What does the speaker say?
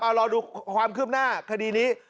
เอารอดูความคืบหน้าคดีนี้